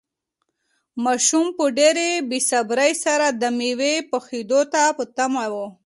ماشوم په ډېرې بې صبري سره د مېوې پخېدو ته په تمه و.